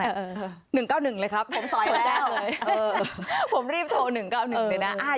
๑๙๑เลยครับผมสอยแล้วนะฮะผมรีบโทร๑๙๑เลยนะ